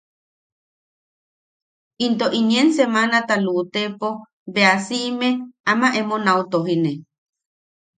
Into inen semanata lu’utepo bea si’ime ama emo nau tojine.